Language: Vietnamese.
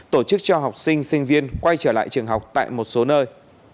tổ chức cho học sinh sinh viên quay trở lại trường học tại một số nơi